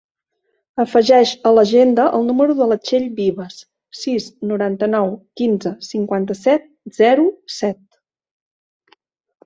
Afegeix a l'agenda el número de la Txell Vivas: sis, noranta-nou, quinze, cinquanta-set, zero, set.